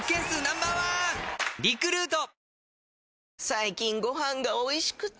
最近ご飯がおいしくて！